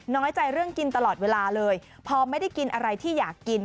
น้อยใจเรื่องกินตลอดเวลาเลยพอไม่ได้กินอะไรที่อยากกิน